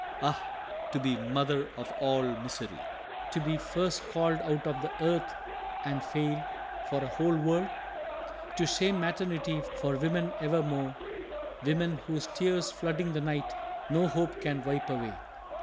Ah, to be mother of all misery! To be first called out of the earth and fail For a whole world! To shame maternity For women evermore women whose tears Flooding the night, no hope can wipe away!